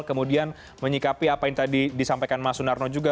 kemudian menyikapi apa yang tadi disampaikan mas sunarno juga